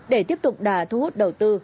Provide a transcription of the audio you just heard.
để tiếp tục đà thu hút đầu tư